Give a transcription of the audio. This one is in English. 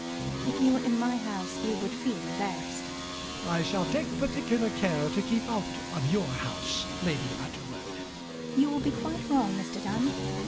If you were in my house, you would feel embarrassed. MAZZINI. I shall take particular care to keep out of your house, Lady Utterword. LADY UTTERWORD. You will be quite wrong, Mr Dunn.